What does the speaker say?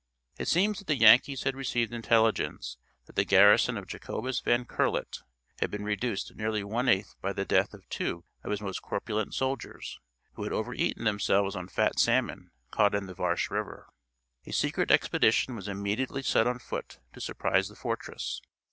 It seems that the Yankees had received intelligence that the garrison of Jacobus Van Curlet had been reduced nearly one eighth by the death of two of his most corpulent soldiers, who had over eaten themselves on fat salmon caught in the Varsche river. A secret expedition was immediately set on foot to surprise the fortress.